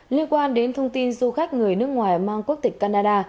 liên quan đến thông tin du khách người nước ngoài mang quốc tịch canada